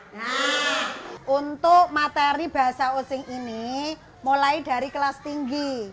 nah untuk materi bahasa osing ini mulai dari kelas tinggi